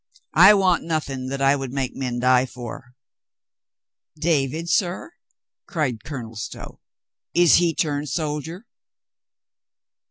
I want nothing that I would make men die for." "David, sir?" cried Colonel Stow. "Is he turned soldier?"